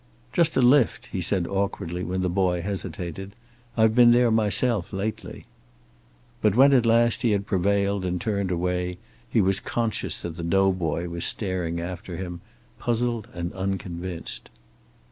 "Just a lift," he said, awkwardly, when the boy hesitated. "I've been there myself, lately." But when at last he had prevailed and turned away he was conscious that the doughboy was staring after him, puzzled and unconvinced.